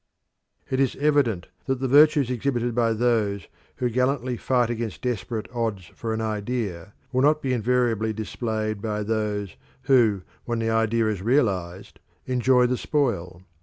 It is evident that the virtues exhibited by those who gallantly fight against desperate odds for an idea will not be invariably displayed by those who when the idea is realised enjoy the spoil.